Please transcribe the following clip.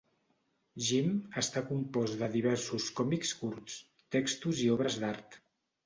'Jim' està compost de diversos còmics curts, textos i obres d'art.